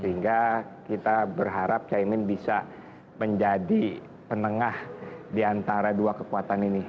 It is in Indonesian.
sehingga kita berharap caimin bisa menjadi penengah di antara dua kekuatan ini